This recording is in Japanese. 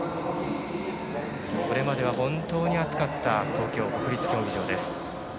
これまでは本当に暑かった東京・国立競技場です。